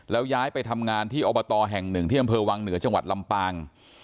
แล้วย้ายไปทำงานที่อบตแห่งหนึ่งที่อำเภอวังเหนือจังหวัดลำปาง